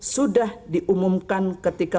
sudah diumumkan ketika